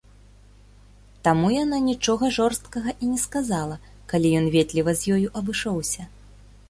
Таму яна нічога жорсткага і не сказала, калі ён ветліва з ёю абышоўся.